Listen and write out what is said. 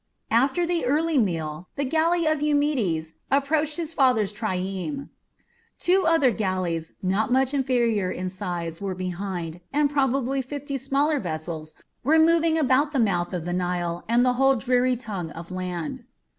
After the early meal, the galley of Eumedes approached his father's trireme. Two other galleys, not much inferior in size, were behind, and probably fifty smaller vessels were moving about the mouth of the Nile and the whole dreary tongue of land.